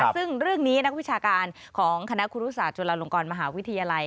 ซึ่งเรื่องนี้นักวิชาการของคณะครูรุศาสตุลาลงกรมหาวิทยาลัย